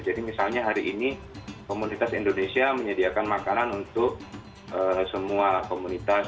jadi misalnya hari ini komunitas indonesia menyediakan makanan untuk semua komunitas